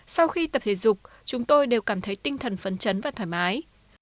sau khi tập thể dục chúng tôi đều cảm thấy tinh thần phấn chấn và thoải mái